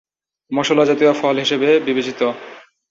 মশলা জাতীয় ফল হিসেবে বিবেচিত।